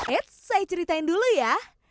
eits saya ceritain dulu ya